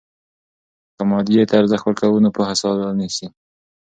که مادیې ته ارزښت ورکوو، نو پوهه ساه نیسي.